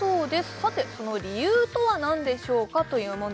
さてその理由とは何でしょうかという問題